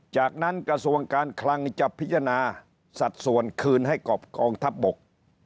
จากนั้นกระทรวงการคลังจะพิจารณาสัดส่วนคืนให้กับกองทัพบก